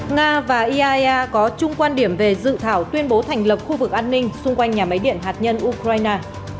nga và iaea có chung quan điểm về dự thảo tuyên bố thành lập khu vực an ninh xung quanh nhà máy điện hạt nhân ukraine